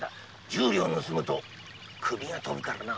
十両盗むと首が飛ぶからな。